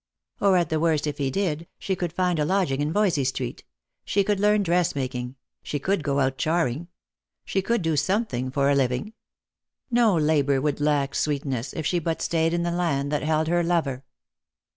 Or at the worst, if he did, she could find a lodging in Voysey street ; she could learn dressmaking ; she could go out charing ; she could do something for a living. No labour would lack sweetness if she but stayed in the land that held her lover.